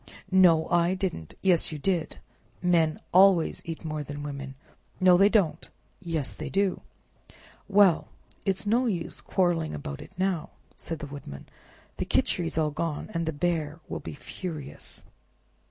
"No, I didn't!" "Yes, you did! Men always eat more than women. "No, they don't!" "Yes, they do!" "Well, it's no use quarreling about it now," said the Woodman, "the Khichri's gone, and the Bear will be furious."